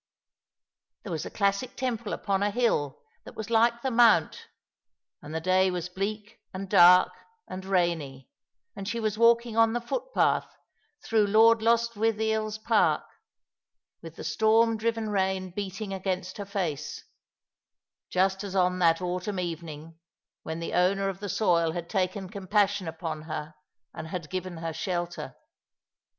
There was a classic temple upon a hill that was like the Mount, and the day was bleak, and dark, and rainy, and she was walk ' ing on the footpath through Lord Lostwithiel's park, with ' the storm driven rain beating against her face, just as on' that autumn evening, when the owner of the soil had taken compassion upon her and had given her shelter.